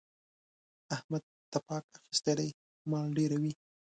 احمد تپاک اخيستی دی؛ مال ډېروي.